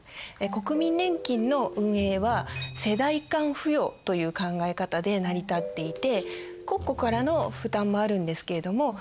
国民年金の運営は世代間扶養という考え方で成り立っていて国庫からの負担もあるんですけれども